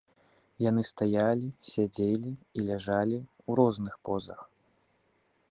Яны стаялі, сядзелі і ляжалі ў розных позах.